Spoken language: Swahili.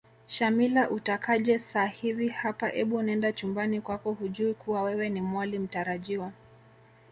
Shamila utakaje sahivi hapa ebu nenda chumbani kwako hujui kuwa wewe Ni mwali mtarajiwa